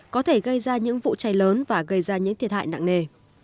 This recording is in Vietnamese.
có thể gây ra những vụ cháy lớn và gây ra những thiệt hại nặng nề